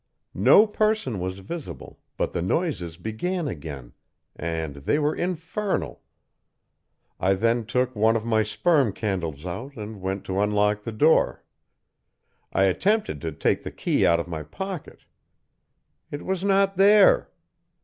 No person was visible, but the noises began again, and they were infernal. I then took one of my sperm candles out, and went to unlock the door. I attempted to take the key out of my pocket. It was not there!